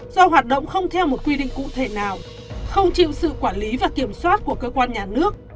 do hoạt động không theo một quy định cụ thể nào không chịu sự quản lý và kiểm soát của cơ quan nhà nước